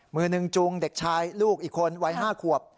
มือหนึ่งจูงเด็กชายลูกอีกคนวัย๕ขวบ